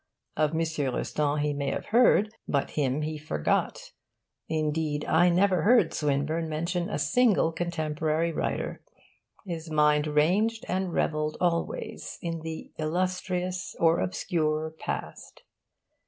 Of M. Rostand he may have heard, but him he forgot. Indeed I never heard Swinburne mention a single contemporary writer. His mind ranged and revelled always in the illustrious or obscure past.